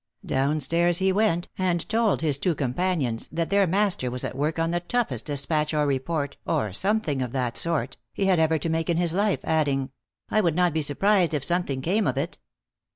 Down stairs he went, and told his two companions that their master was at work on the toughest despatch or report, or something of that sort, he had ever had to make in his life, adding, "I would not be surprised if something came of it."